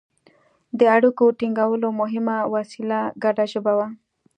د اړیکو ټینګولو مهمه وسیله ګډه ژبه وه